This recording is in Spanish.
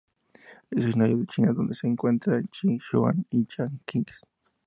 Es originario de China donde se encuentra en Sichuan y Jiangxi.